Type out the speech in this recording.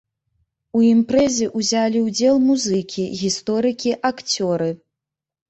У імпрэзе ўзялі ўдзел музыкі, гісторыкі, акцёры.